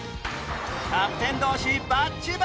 キャプテン同士バッチバチ！